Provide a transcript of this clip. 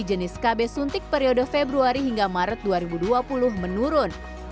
jenis kb suntik periode februari hingga maret dua ribu dua puluh menurun